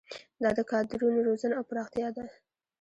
دا د کادرونو روزنه او پراختیا ده.